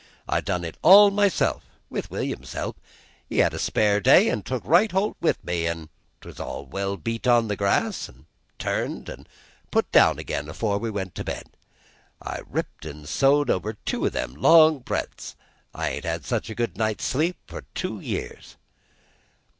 "I done it all myself with William's help. He had a spare day, an' took right holt with me; an' 'twas all well beat on the grass, an' turned, an' put down again afore we went to bed. I ripped an' sewed over two o' them long breadths. I ain't had such a good night's sleep for two years."